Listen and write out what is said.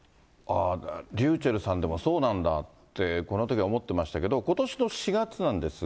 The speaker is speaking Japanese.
ｒｙｕｃｈｅｌｌさんでもそうなんだって、このときは思ってましたけど、ことしの４月なんですが。